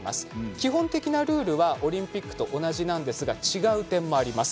基本的なルールはオリンピックと同じなんですが違う点もあります。